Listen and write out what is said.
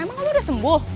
emang lo udah sembuh